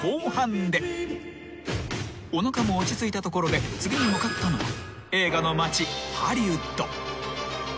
［おなかも落ち着いたところで次に向かったのは映画の街ハリウッド］